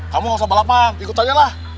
kamu gak usah balapan ikutannya lah